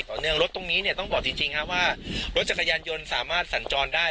เนื่องรถตรงนี้เนี่ยต้องบอกจริงว่ารถจักรยานยนต์สามารถสัญจรได้